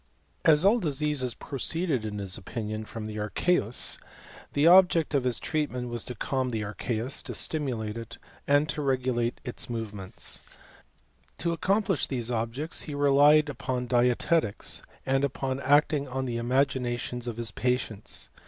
As all diseases proceeded in his opinion from the aicheus, the object of his treatment was to calm the 'ircheusy to stimulate it, and to regulate its movements. 192 HISTORY OF CHEMISTRY. To accomplish these objects he relied upon dietetics; and upon acting on the imaginations of his patients.